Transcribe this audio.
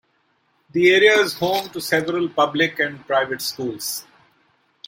The area is home to several public and private schools.